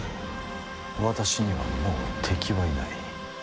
私にはもう敵はいない。